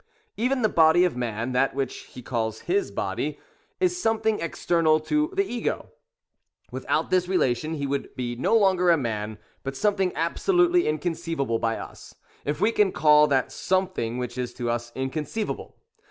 Even the body of man,— that which he calls his body, — is something exter nal to the jS^o.' Without this relation he would be no longer a man, but something absolutely inconceivable by us, if we can call that something which is to us inconceivable.